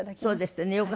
そうですってね。